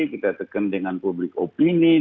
kita tekan dengan public opinion